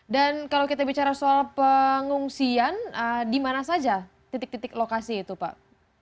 dan kalau kita bicara soal pengungsian di mana saja titik titik lokasi itu pak